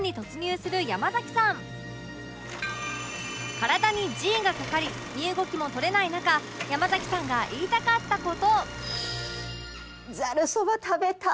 体に Ｇ がかかり身動きも取れない中山崎さんが言いたかった事